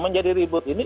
menjadi ribut ini